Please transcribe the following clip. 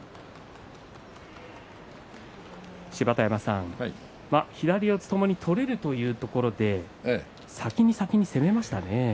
芝田山さん、左四つともに取れるというところで先に先に攻めましたね。